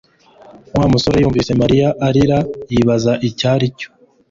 Wa musore yumvise Mariya arira yibaza icyo ari cyo